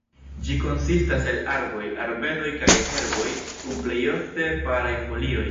Ĝi konsistas el arboj, arbedoj kaj herboj kun plejofte paraj folioj.